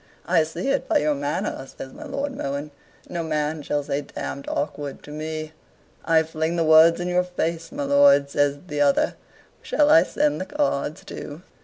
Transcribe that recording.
"I see it by your manner," says my Lord Mohun. "No man shall say damned awkward to me." "I fling the words in your face, my lord," says the other; "shall I send the cards too?"